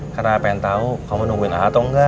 karena pengen tau kamu nungguin ah atau enggak